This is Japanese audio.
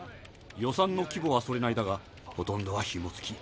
予算の規模はそれなりだがほとんどはヒモ付き。